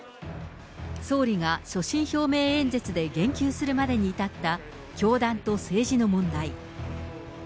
総理が所信表明演説で言及するまでに至った教団と政治の問題。